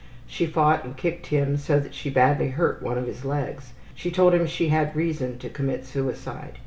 She fought and kicked him so that she badly hurt one of his legs. She told him she had reason to commit suicide.